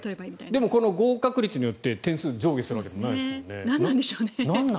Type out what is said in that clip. でも合格率によって点数上下するわけでもないですよね。何なんでしょうね。